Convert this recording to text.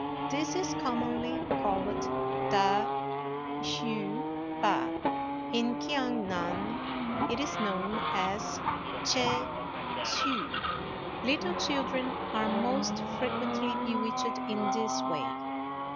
This is commonly called ta hsü pa; in Kiang nan it is known as ch'ê hsü. Little children are most frequently bewitched in this way.